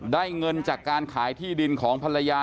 เงินจากการขายที่ดินของภรรยา